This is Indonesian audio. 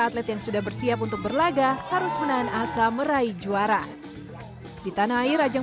atlet yang sudah bersiap untuk berlaga harus menahan asa meraih juara di tanah air ajang